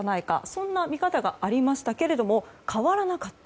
そんな見方がありましたけれども変わらなかった。